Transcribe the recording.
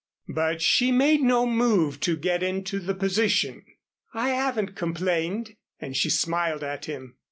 But she made no move to get into the position. "I haven't complained," and she smiled at him.